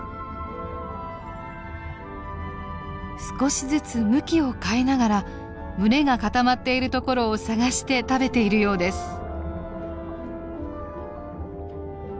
少しずつ向きを変えながら群れが固まっているところを探して食べているようです。